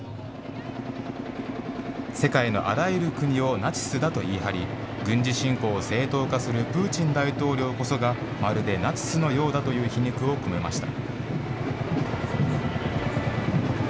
世界のあらゆる国をナチスだと言い張り、軍事侵攻を正当化するプーチン大統領こそが、まるでナチスのようだという皮肉を込めました。